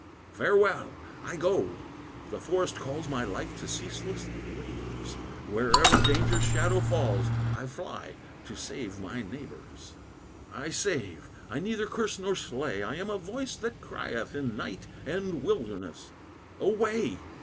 "Farewell! I go! the forest calls My life to ceaseless labors; Wherever danger's shadow falls I fly to save my neighbors. "I save; I neither curse nor slay; I am a voice that crieth In night and wilderness. Away!